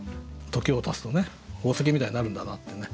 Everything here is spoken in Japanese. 時をたつと宝石みたいになるんだなってね。